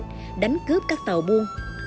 họ đánh cướp các tàu buôn